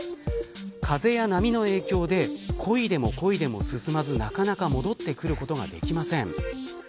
風や波の影響でこいでもこいでも進まずなかなか戻ってくることができません。